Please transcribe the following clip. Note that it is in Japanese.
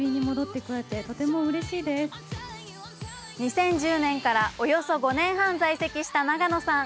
２０１０年からおよそ５年半在籍した永野さん。